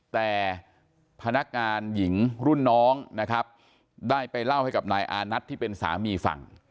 แต่พนักงานหญิงรุ่นน้องนะครับได้ไปเล่าให้กับนายอานัทที่เป็นสามีฟัง